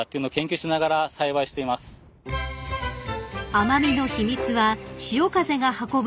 ［甘味の秘密は潮風が運ぶ